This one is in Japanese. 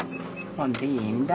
ほんでいいんだ。